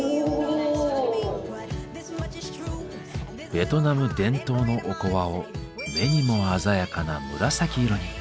ベトナム伝統のおこわを目にも鮮やかな紫色に。